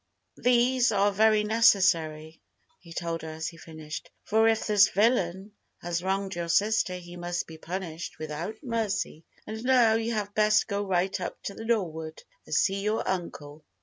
"These are very necessary," he told her as he finished, "for if this villain has wronged your sister he must be punished without mercy. And now you had best go right up to 'The Norwood' and see your uncle.